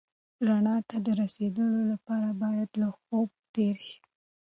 رڼا ته د رسېدو لپاره باید له خوبه تېر شې.